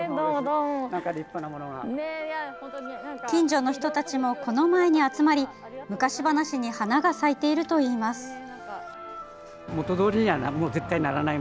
近所の人たちもこの前に集まり昔話に花が咲いているといいます。